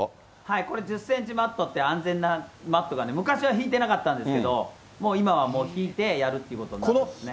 これ、１０センチマットって、安全なマットがね、昔はひいてなかったんですけど今はひいてやるということになってるんですね。